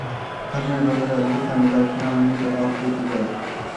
ধর্মের ব্যাপারে অদ্ভুত কাণ্ডকারখানা আমার নিকট অপ্রীতিকর।